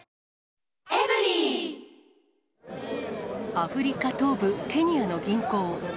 アフリカ東部ケニアの銀行。